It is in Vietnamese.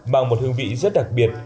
mang một hương vị rất đặc biệt